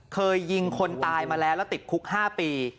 เคยยิงคนตายมาแล้วแล้วติดคุก๕ปี